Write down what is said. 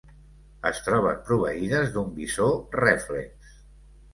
Es troben proveïdes d'un visor rèflex.